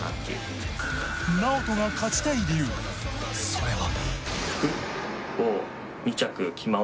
それは。